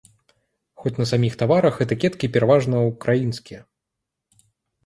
Хоць на саміх таварах этыкеткі пераважна ўкраінскія.